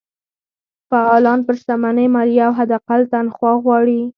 فعالان پر شتمنۍ مالیه او حداقل تنخوا غواړي.